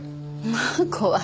まあ怖い。